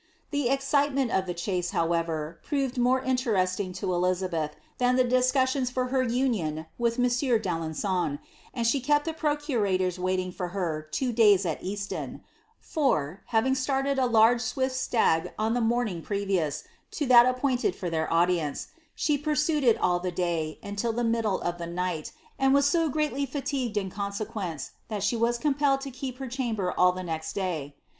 The excitement le chase, however, proved more interesting to Elizabeth than the dis lions for her union with monsieur d'Alen^'on, and she kept the pro itors waiting for her two days at Easton ; for, having started a large t stag on the morning previous to that appointed for their audience, pursued it all the day, and till the middle of the night, and was so lly fatigued in consequence, that she was compelled to keep her nber all the next day.